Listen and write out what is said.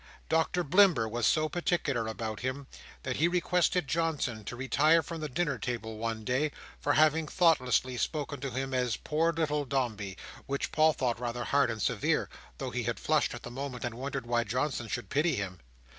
Doctor Blimber was so particular about him, that he requested Johnson to retire from the dinner table one day, for having thoughtlessly spoken to him as "poor little Dombey;" which Paul thought rather hard and severe, though he had flushed at the moment, and wondered why Johnson should pity him.